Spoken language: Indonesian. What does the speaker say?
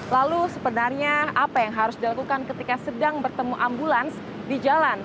lalu sebenarnya apa yang harus dilakukan ketika sedang bertemu ambulans di jalan